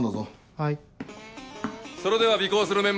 はい！